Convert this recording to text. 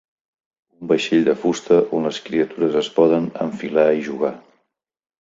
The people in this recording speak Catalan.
Un vaixell de fusta on les criatures es poden enfilar i jugar.